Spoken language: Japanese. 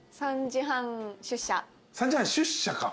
３時半出社か！